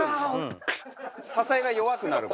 支えが弱くなるから。